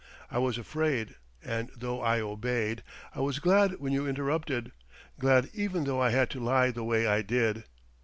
I was afraid, and though I obeyed, I was glad when you interrupted glad even though I had to lie the way I did....